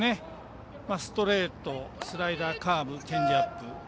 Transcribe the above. ストレート、スライダーカーブ、チェンジアップ。